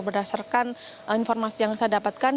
berdasarkan informasi yang saya dapatkan